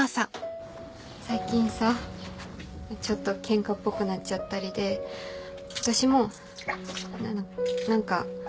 最近さちょっとケンカっぽくなっちゃったりで私も何かごめん。